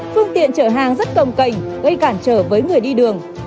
phương tiện chợ hàng rất cầm cành gây cản trở với người đi đường